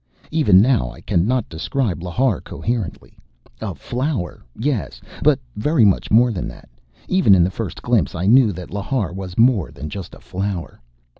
Even now I cannot describe Lhar coherently. A flower, yes but very much more than that. Even in that first glimpse I knew that Lhar was more than just a flower....